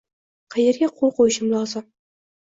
Qayerga qo’l qo’yishim lozim?